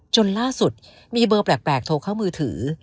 จนล่าสุดมีเบอร์แปลกโทรเข้ามือถือ